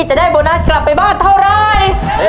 จะได้โบนัสกลับไปบ้านเท่าไร